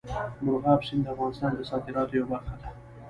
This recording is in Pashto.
مورغاب سیند د افغانستان د صادراتو یوه برخه ده.